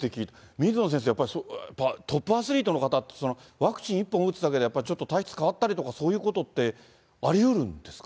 水野先生、やっぱりトップアスリートの方って、ワクチン一本打つだけで、やっぱりちょっと体質変わったりとか、そういうことってありうるんですか。